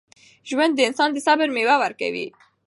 ژوند د انسان د صبر میوه ورکوي.